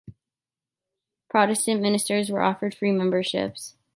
Protestant ministers were offered free memberships.